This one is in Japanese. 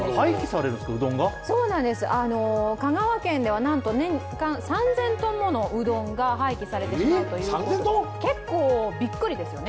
香川県ではなんと年間３０００ｔものうどんが廃棄されてしまうということで結構びっくりですよね。